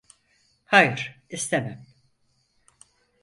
Hayır, istemem.